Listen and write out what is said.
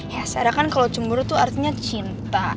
ya sarah kan kalau cemburu tuh artinya cinta